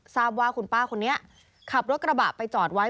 ทราบว่าคุณป้าคนนี้ขับรถกระบะไปจอดไว้